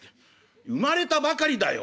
「生まれたばかりだよ。